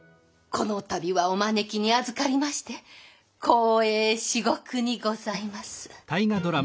この度はお招きにあずかりまして光栄至極にございます。